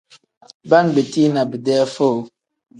Baa ngbetii na bidee foo.